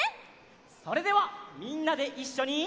それではみんなでいっしょに。